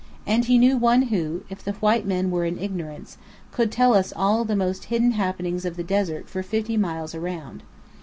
And he knew one who, if the white men were in ignorance, could tell us all the most hidden happenings of the desert for fifty miles around.